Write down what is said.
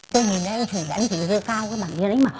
tôi nhìn đây truyền bản chỉ hơi cao với bản tin đấy mà